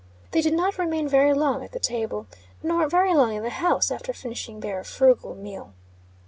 They did not remain very long at the table; nor very long in the house after finishing their frugal meal.